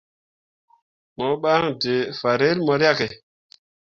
Mo ɓan d̃ǝǝ fanrel mo riahke.